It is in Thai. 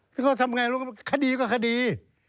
แล้วทำไงลุงกำนันคดีก็คดี